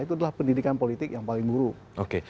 itu adalah pendidikan politik yang paling buruk